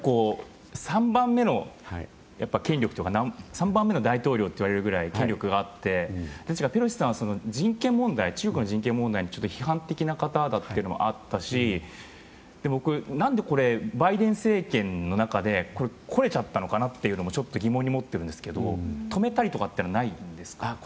３番目の権力とか３番目の大統領というぐらい権力があって、確かペロシさんは中国の人権問題に批判的な方だというのもあったし僕は何でバイデン政権の中で来られちゃったのかってちょっと疑問に思っているんですけど止めたりとかっていうのはないんですか？